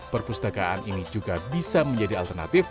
perpustakaan ini juga bisa menjadi alternatif